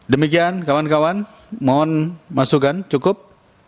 demikian kawan kawan mohon masukan cukup